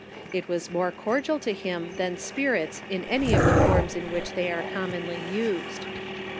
It was more cordial to him than spirits, in any of the forms in whieli they are com monly used.